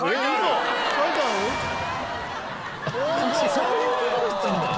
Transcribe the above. そういうことだったんだ！